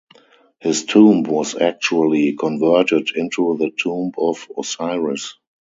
His tomb was actually converted into the tomb of Osiris.